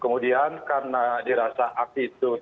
kemudian karena dirasa aksi ini tidak berhasil